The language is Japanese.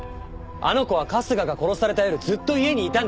あの子は春日が殺された夜ずっと家にいたんです。